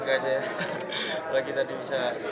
kami tidak puas disini saja